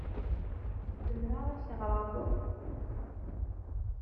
Zemreɣ ad ak-ɣreɣ Bob?